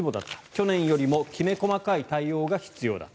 去年よりもきめ細かい対応が必要だ